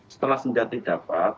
setelah senjata didapat